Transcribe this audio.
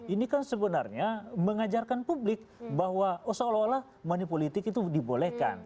ini kan sebenarnya mengajarkan publik bahwa oh seolah olah money politik itu dibolehkan